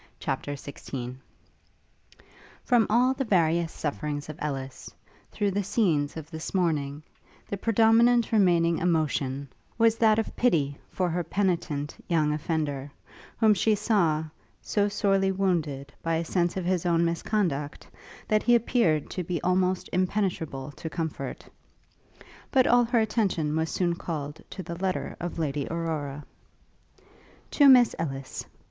CHAPTER XVI From all the various sufferings of Ellis, through the scenes of this morning, the predominant remaining emotion, was that of pity for her penitent young offender; whom she saw so sorely wounded by a sense of his own misconduct, that he appeared to be almost impenetrable to comfort. But all her attention was soon called to the letter of Lady Aurora. 'To Miss Ellis.